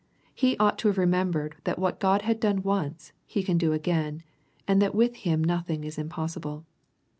He ought to have remembered that what God has done once, He can do again, and that with Him nothing is impossible.